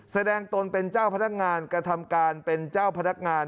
ตนเป็นเจ้าพนักงานกระทำการเป็นเจ้าพนักงาน